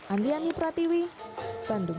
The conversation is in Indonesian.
andiani pratiwi bandung